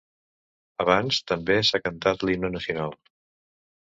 Abans, també s’ha cantat l’himne nacional.